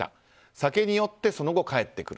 酒に酔って、その後帰ってくる。